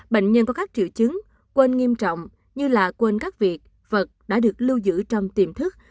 bệnh nhân có các triệu chứng quên nghiêm trọng như là quên các việc vật đã được lưu giữ trong tiềm thức